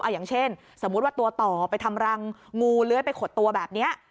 อย่างเช่นสมมุติว่าตัวต่อไปทำรังงูเลื้อยไปขดตัวแบบนี้